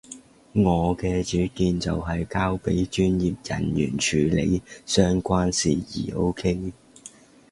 我嘅主見就係交畀專業人員處理相關事宜，OK？